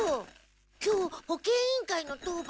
今日保健委員会の当番